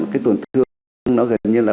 cái tổn thương nó gần như là